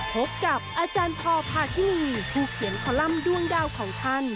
พบกับอาจารย์พอพาทินีผู้เขียนคอลัมป์ด้วงดาวของท่าน